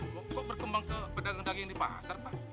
lah kok berkembang ke perdagangan daging di pasar pak